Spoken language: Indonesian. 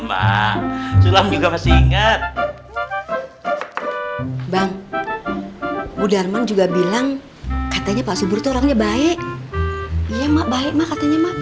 mak sulam juga masih ingat bang bu darman juga bilang katanya